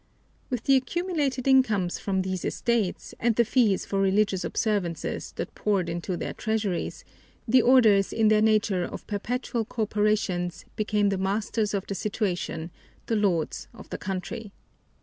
With the accumulated incomes from these estates and the fees for religious observances that poured into their treasuries, the orders in their nature of perpetual corporations became the masters of the situation, the lords of the country.